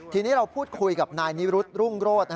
ทีนี้เราพูดคุยกับนายนิรุธรุ่งโรธ